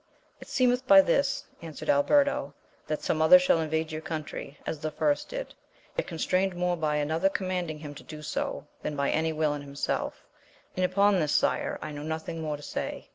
It seemeth by this, answered Alberto, that some other shall invade your country, as the first did, yet con strained more by another commanding him to do so, than by any wiU in himself, and upon this, sire, I know nothing more to say.